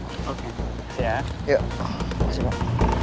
terima kasih pak